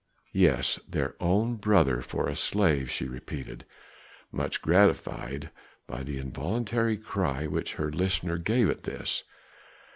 Yes, their own brother for a slave," she repeated, much gratified by the involuntary cry which her listener gave at this.